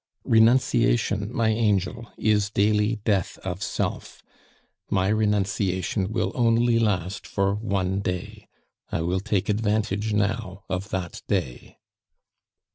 Renunciation, my angel, is daily death of self; my renunciation will only last for one day; I will take advantage now of that day.